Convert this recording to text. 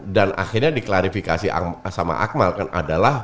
dan akhirnya diklarifikasi sama akmal